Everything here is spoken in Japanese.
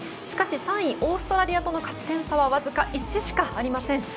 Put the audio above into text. しかし３位、オーストラリアとの勝ち点差はわずか１しかありません。